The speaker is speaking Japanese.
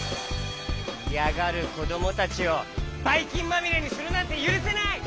いやがるこどもたちをバイきんまみれにするなんてゆるせない！